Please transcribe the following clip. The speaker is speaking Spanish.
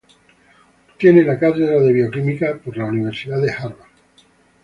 Obtiene la cátedra de bioquímica de la Universidad Harvard.